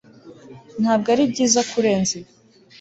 ntabwo aribyiza kurenza ibi